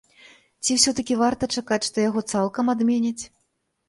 Ці ўсё-такі варта чакаць, што яго цалкам адменяць?